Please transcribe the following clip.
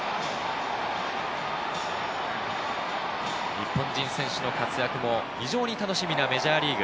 日本人選手の活躍も非常に楽しみなメジャーリーグ。